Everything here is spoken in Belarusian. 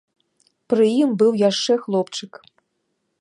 Пры ім быў яшчэ хлопчык.